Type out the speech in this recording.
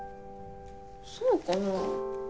そうかな？